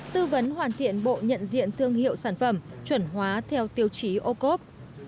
tư vấn hoàn thiện bộ nhận diện thương hiệu sản phẩm chuẩn hóa theo tiêu chí ô cốp